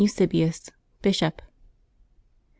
EUSEBIUS, Bishop. [t.